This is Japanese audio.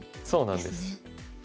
そうなんです。